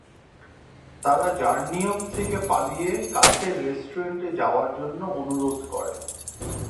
তারা জারনিওপ থেকে পালিয়ে কাছের রেস্টুরেন্টে যাওয়ার জন্য অনুরোধ করে।